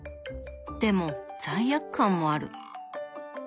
でも罪悪感もある。